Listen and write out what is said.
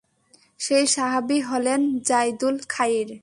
সেই সাহাবী হলেন যায়দুল খাইর।